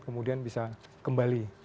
kemudian bisa kembali